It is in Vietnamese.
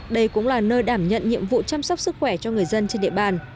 đây cũng là nơi đảm nhận nhiệm vụ chăm sóc sức khỏe cho người dân trên địa bàn